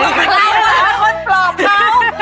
เราเป็นคนปลอบเขา